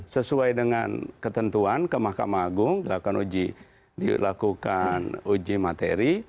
sesuai dengan ketentuan ke mahkamah agung dilakukan uji materi